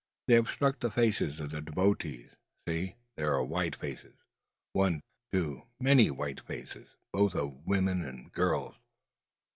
They have struck the faces of the devotees. See! there are white faces! One two many white faces, both of women and girls.